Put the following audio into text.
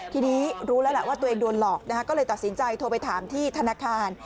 ทีนี้รู้แล้วแหละว่าตัวเองโดนหลอกก็เลยตัดสินใจโทรไปถามที่ธนาคาร